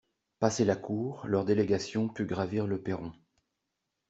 Passé la cour, leur délégation put gravir le perron.